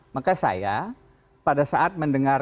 maka saya pada saat mendengar